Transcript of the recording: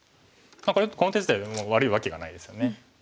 この手自体は悪いわけがないですよね。